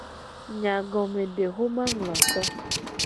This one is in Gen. Nyagomedexomangloto.